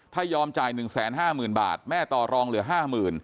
ถ้ายอมจ่าย๑๕๐๐๐บาทแม่ต่อรองเหลือ๕๐๐๐